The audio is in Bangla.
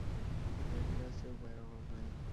উপায় ঢের আছে–উপায়ের অভাব নাই।